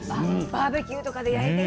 バーベキューとかで焼いて。